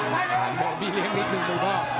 บอกพี่เลี้ยงนิดนึงคุณพ่อ